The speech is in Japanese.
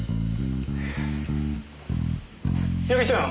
矢木ちゃん